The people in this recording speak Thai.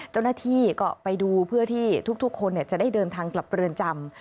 เจ้าหน้าที่ก็ไปดูเพื่อที่ทุกคนจะได้เดินทางกลับเรือนจำ